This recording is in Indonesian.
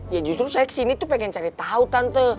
ya justru saya kesini tuh pengen cari tahu tante